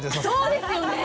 そうですよね。